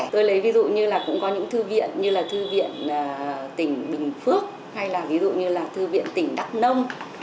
tôi lấy ví dụ như là cũng có những thư viện như là thư viện tỉnh bình phước hay là ví dụ như là thư viện tỉnh đắk nông